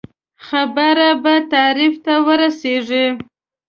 خبره به تحریف ته ورسېږي.